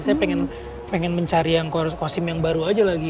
saya pengen mencari yang kosim yang baru aja lagi